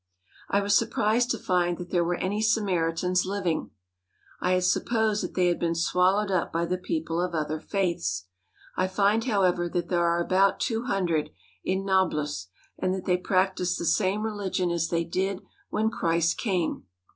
I was surprised to find that there were any Samaritans living. I had supposed that they had been swallowed up by the people of other faiths. I find, however, that there are about two hundred in Nablus, and that they practise the same religion as they did when Christ came.